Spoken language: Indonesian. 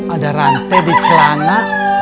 ada rantai di celana